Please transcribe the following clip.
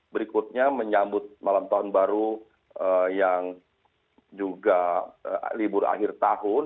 berikutnya menyambut malam tahun baru yang juga libur akhir tahun